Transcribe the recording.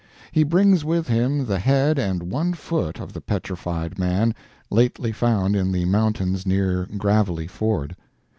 He brings with him the head and one foot of the petrified man, lately found in the mountains near Gravelly Ford.